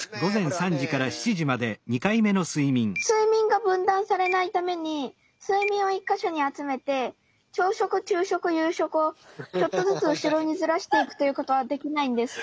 睡眠が分断されないために睡眠を１か所に集めて朝食昼食夕食をちょっとずつ後ろにずらしていくということはできないんですか？